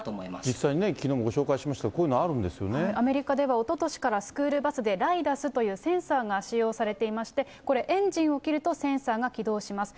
実際にきのうもご紹介しましたけども、こういうのあるんですアメリカでは、おととしからスクールバスでライダスというセンサーが使用されていまして、これ、エンジンを切るとセンサーが起動します。